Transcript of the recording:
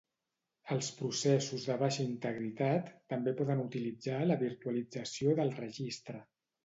Els processos de baixa integritat també poden utilitzar la virtualització del registre.